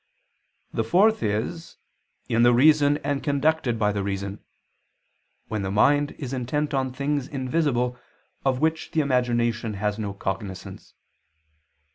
The fourth is in "the reason and conducted by the reason," when the mind is intent on things invisible of which the imagination has no cognizance.